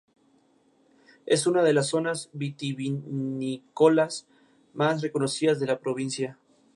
Es una de las zonas vitivinícolas más reconocidas de la Provincia.